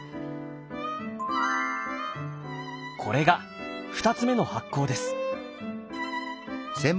これが２つ目の発酵です。